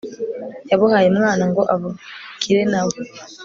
yabuhaye Umwana ngo abugire na we